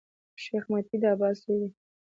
شېخ متي د عباس زوی دﺉ.